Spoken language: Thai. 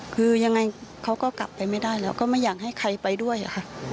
คือยังไงเขาก็กลับไปไม่ได้แล้วก็ไม่อยากให้ใครไปด้วยค่ะ